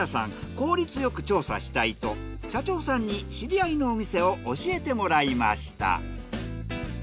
効率よく調査したいと社長さんに知り合いのお店を教えてもらいました。